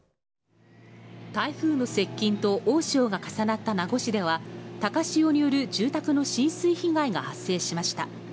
台風の接近と大潮が重なった名護市では、高潮による住宅の浸水被害が発生しました。